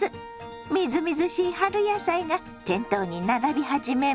みずみずしい春野菜が店頭に並び始めました。